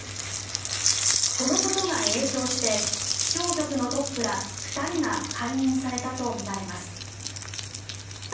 このことが影響して気象局のトップら２人が解任されたとみられます。